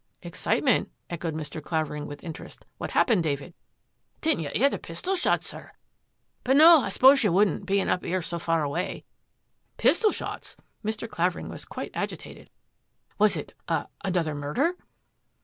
" Excitement !'' echoed Mr. Clavering with in terest. " What happened, David? "" Didn't you 'ear the pistol shots, sir? But, no, I s'pose you wouldn't, bein' up 'ere so far away." " Pistol shots !" Mr. Clavering was quite agi tated. " Was it a — another murder?